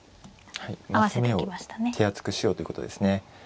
攻めを手厚くしようということですね。